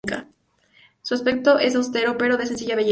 Su aspecto es austero pero de sencilla belleza.